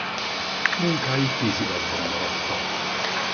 Munkái kéziratban maradtak.